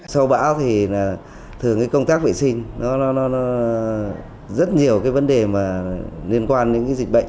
sau bão thì thường công tác vệ sinh rất nhiều vấn đề liên quan đến dịch bệnh